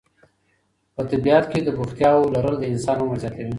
په طبیعت کې د بوختیاوو لرل د انسان عمر زیاتوي.